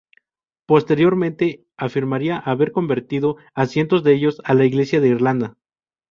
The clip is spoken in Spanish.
Posteriormente afirmaría haber convertido a cientos de ellos a la Iglesia de Irlanda.